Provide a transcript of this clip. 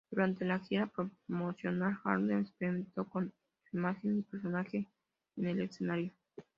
Durante la gira promocional, Harvey experimentó con su imagen y personaje en el escenario.